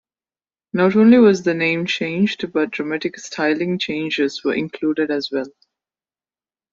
Not only was the name changed, but dramatic styling changes were included as well.